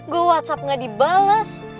gue whatsapp gak dibalas